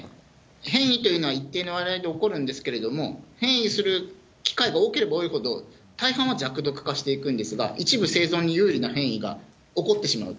変異というのは、一定の割合で起こるんですけども、変異する機会が多ければ多いほど、大半は弱毒化していくんですが、一部生存に優位な変異が起こってしまうと。